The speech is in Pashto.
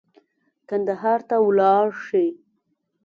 کندهار ته ولاړ شي.